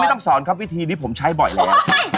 ต้องสอนครับวิธีนี้ผมใช้บ่อยแล้ว